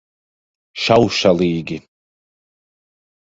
Šaušalīgi.